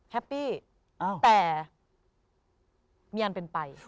แฮปปี้แต่มีอันเป็นไป